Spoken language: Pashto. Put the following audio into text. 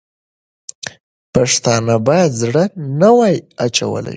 پښتانه باید زړه نه وای اچولی.